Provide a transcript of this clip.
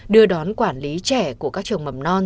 đưa đón quản lý trẻ của các trường mầm non